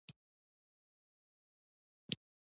د سیمې مسلمانانو موږ ته لاره پاکوله.